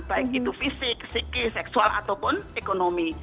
baik itu fisik psikis seksual ataupun ekonomi